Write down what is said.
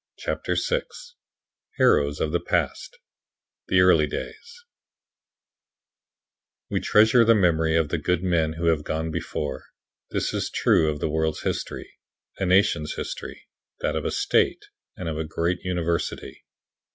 CHAPTER VI HEROES OF THE PAST THE EARLY DAYS We treasure the memory of the good men who have gone before. This is true of the world's history, a nation's history, that of a state, and of a great university.